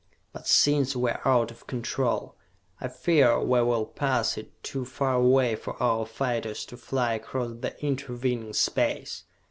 But since we are out of control, I fear we will pass it too far away for our fighters to fly across the intervening space!